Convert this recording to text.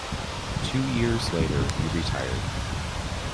Two years later he retired.